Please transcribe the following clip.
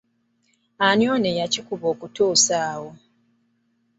Ani nno eyakikuba okutuusa awo.